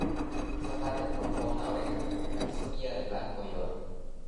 Esa tarde cortó una oreja y vestía de blanco y oro.